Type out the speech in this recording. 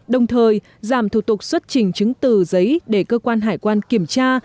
đồng thời giảm thủ tục xuất trình chứng từ giấy để cơ quan hải quan kiểm tra